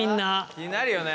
気になるよね。